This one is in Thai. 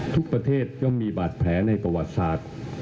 ทุกประเทศย่อมมีบาดแผลในประวัติศาสตร์